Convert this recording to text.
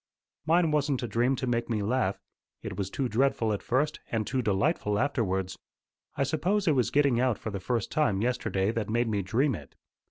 "Mine wasn't a dream to make me laugh. It was too dreadful at first, and too delightful afterwards. I suppose it was getting out for the first time yesterday that made me dream it.